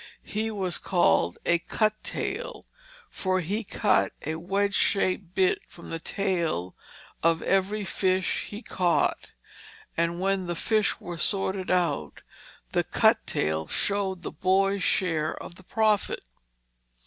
He was called a "cut tail," for he cut a wedge shaped bit from the tail of every fish he caught, and when the fish were sorted out the cut tails showed the boy's share of the profit.